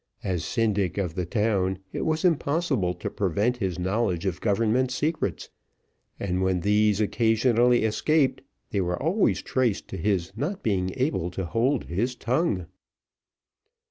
As syndic of the town, it was impossible to prevent his knowledge of government secrets, and when these occasionally escaped, they were always traced to his not being able to hold his tongue.